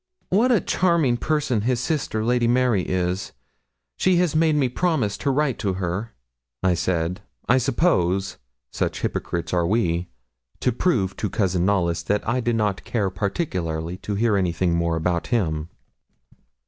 'What a charming person his sister, Lady Mary, is. She has made me promise to write to her,' I said, I suppose such hypocrites are we to prove to Cousin Knollys that I did not care particularly to hear anything more about him.